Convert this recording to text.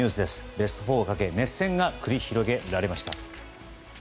ベスト４をかけ熱戦が繰り広げられました。